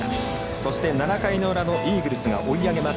そして７回裏のイーグルスが追い上げます。